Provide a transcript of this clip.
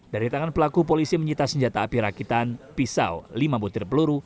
dari tangan pelaku polisi menyita senjata api rakitan pisau lima butir peluru